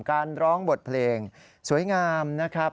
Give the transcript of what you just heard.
การร้องบทเพลงสวยงามนะครับ